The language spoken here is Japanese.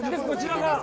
こちらは？